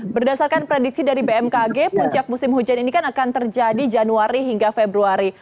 berdasarkan prediksi dari bmkg puncak musim hujan ini kan akan terjadi januari hingga februari